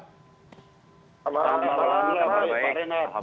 selamat malam pak renan